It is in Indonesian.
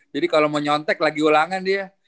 jadi kalau mau nyontek lagi ulangan dia